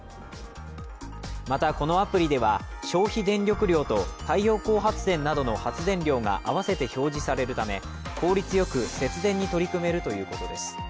また、このアプリでは消費電力量と太陽光発電などの発電量が合わせて表示されるため効率よく節電に取り組めるということです。